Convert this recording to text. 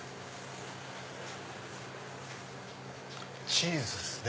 チーズっすね！